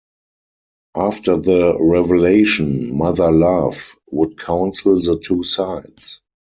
After the revelation, Mother Love would counsel the two sides.